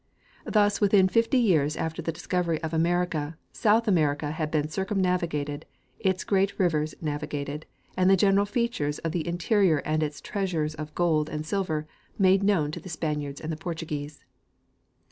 Thus within fifty years after the discovery of America, South America had been circumnavigated, its great rivers navigated, and the general features of the interior and its treasures of gold and silver made known to the Spaniards and Portuguese.